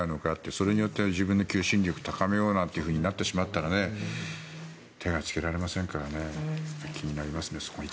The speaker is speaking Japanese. それによって自分の求心力を高めようってなってしまったら手がつけられませんからね気になりますね、そこは。